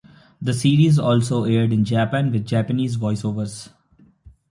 The series also aired in Japan with Japanese voice-overs.